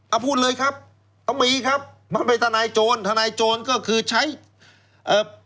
เอาพูดเลยครับต้องมีครับมันเป็นทนายโจรทนายโจรก็คือใช้เอ่อ